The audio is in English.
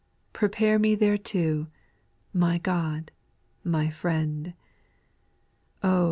Prepare me thereto, God, my Friend I Oh